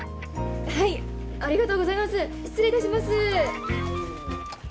はいありがとうございます失礼いたします。